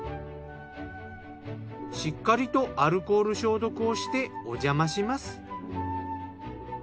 しっかりとアルコール消毒をしておじゃまします。